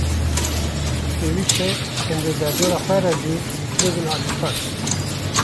Pêwîst e em bi derdora xwe re jî bibin alîkar.